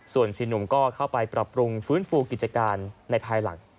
ส่วน๔หนุ่มก็เข้าไปปรับปรุงฟื้นฟูกิจการในภายหลัง